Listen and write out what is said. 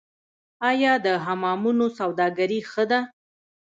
آیا د حمامونو سوداګري ښه ده؟